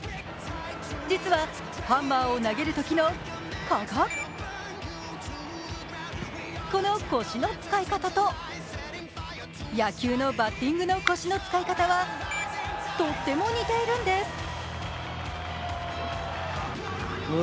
実はハンマーを投げるときの、こここの腰の使い方と、野球のバッティングの腰の使い方はとっても似ているんです。